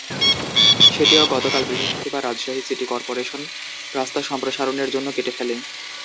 সেটিও গতকাল বৃহস্পতিবার রাজশাহী সিটি করপোরেশন রাস্তা সম্প্রসারণের জন্য কেটে ফেলে।